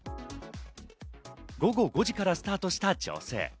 午後５時からスタートした女性。